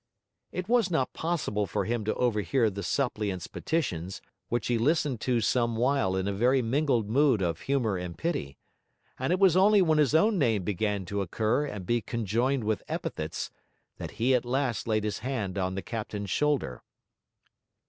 It was not possible for him to overhear the suppliant's petitions, which he listened to some while in a very mingled mood of humour and pity: and it was only when his own name began to occur and to be conjoined with epithets, that he at last laid his hand on the captain's shoulder.